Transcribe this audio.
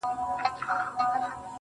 د اختر سهار ته مي~